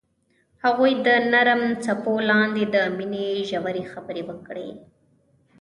هغوی د نرم څپو لاندې د مینې ژورې خبرې وکړې.